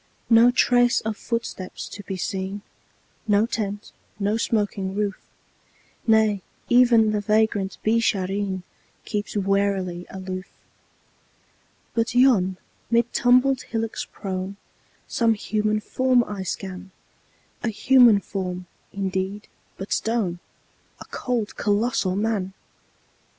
No trace of footsteps to be seen, No tent, no smoking roof; Nay, even the vagrant Beeshareen Keeps warily aloof. But yon, mid tumbled hillocks prone, Some human form I scan A human form, indeed, but stone: A cold, colossal Man!